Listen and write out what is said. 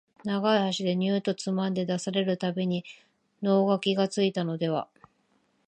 長い箸でニューッとつまんで出される度に能書がついたのでは、